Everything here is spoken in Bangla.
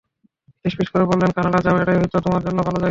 ফিসফিস করে বললেন, কানাডা যাও, ওটাই হয়তো তোমাদের জন্য ভালো জায়গা।